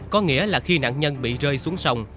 có nghĩa là khi nạn nhân bị rơi xuống sông